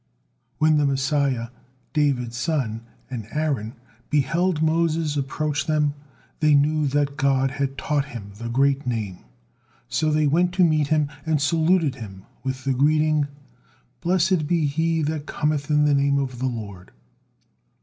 When the Messiah, David's son, and Aaron beheld Moses approach them, they knew that God had taught him the great name, so they went to meet him and saluted him with the greeting: "Blessed be he that cometh in the name of the Lord."